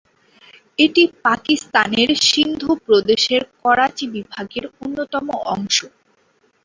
এটি পাকিস্তানের সিন্ধু প্রদেশের করাচী বিভাগের অন্যতম অংশ।